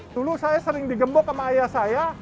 dulu saya sering digembok sama ayah saya